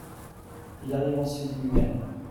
Il arrive ensuite lui-même.